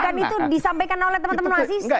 bukan itu disampaikan oleh teman teman mahasiswa